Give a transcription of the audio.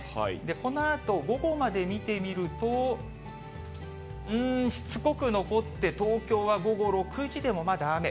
このあと午後まで見てみると、うーん、しつこく残って東京は、午後６時でもまだ雨。